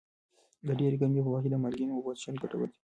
د ډېرې ګرمۍ په وخت کې د مالګینو اوبو څښل ګټور دي.